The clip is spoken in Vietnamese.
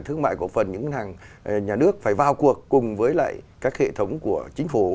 thương mại cổ phần những ngân hàng nhà nước phải vào cuộc cùng với lại các hệ thống của chính phủ